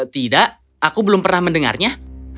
tidak aku belum pernah mendengarnya